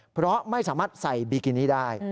เพราะไม่สามารถใส่บิกินี่ได้